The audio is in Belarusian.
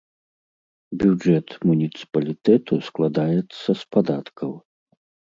Бюджэт муніцыпалітэту складаецца з падаткаў.